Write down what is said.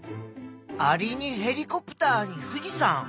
アリにヘリコプターに富士山。